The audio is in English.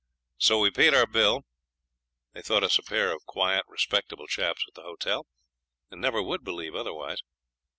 So we paid our bill. They thought us a pair of quiet, respectable chaps at that hotel, and never would believe otherwise.